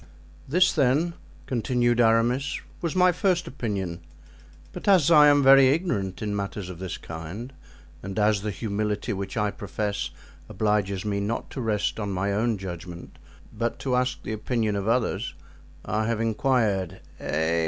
"This, then," continued Aramis, "was my first opinion; but as I am very ignorant in matters of this kind and as the humility which I profess obliges me not to rest on my own judgment, but to ask the opinion of others, I have inquired—Eh!